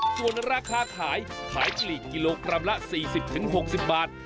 ส่วนราคาขายขายกะหลีกกิโลกรัมละ๔๐๖๐บาท